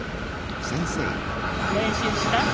れんしゅうした？